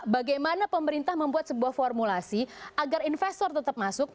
bagaimana pemerintah membuat sebuah formulasi agar investor tetap masuk